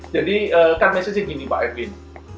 jadi kan messagenya gini pak edwin